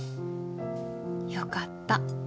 よかった。